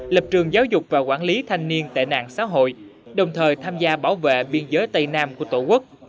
lập trường giáo dục và quản lý thanh niên tệ nạn xã hội đồng thời tham gia bảo vệ biên giới tây nam của tổ quốc